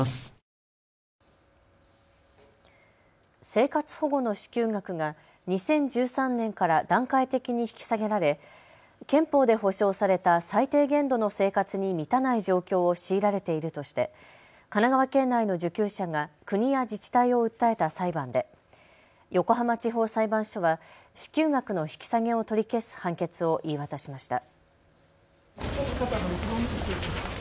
生活保護の支給額が２０１３年から段階的に引き下げられ、憲法で保障された最低限度の生活に満たない状況を強いられているとして神奈川県内の受給者が国や自治体を訴えた裁判で横浜地方裁判所は支給額の引き下げを取り消す判決を言い渡しました。